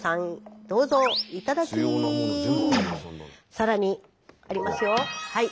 更にありますよ。